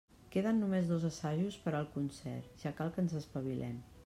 Queden només dos assajos per al concert, ja cal que ens espavilem.